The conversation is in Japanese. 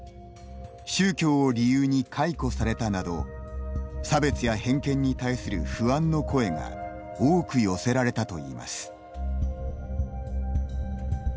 「宗教を理由に解雇された」など差別や偏見に対する不安の声が多く寄せられたといいます。